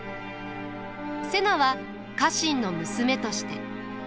瀬名は家臣の娘として。